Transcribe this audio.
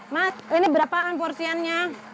mas ini berapaan porsiannya